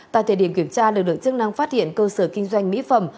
tại thời điểm kiểm tra được được chức năng phát hiện cơ sở kinh doanh mỹ phẩm